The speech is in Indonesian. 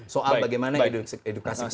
soal bagaimana edukasi politik